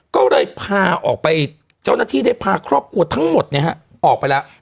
ก็เลยพาออกไปเจ้าหน้าที่ได้พาครอบครัวทั้งหมดออกไปแล้ว